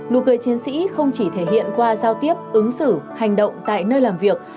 nụ cười chiến sĩ không chỉ thể hiện qua giao tiếp ứng xử hành động tại nơi làm việc